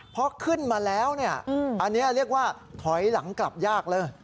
พอขึ้นมาแล้วเนี่ยอันนี้เรียกว่าถอยหลังกลับยากเลย